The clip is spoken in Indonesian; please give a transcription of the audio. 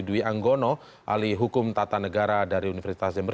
dwi anggono ahli hukum tata negara dari universitas jember